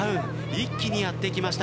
一気にやってきました